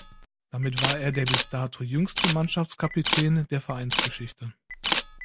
Damit war er der bis dato jüngste Mannschaftskapitän der Vereinsgeschichte.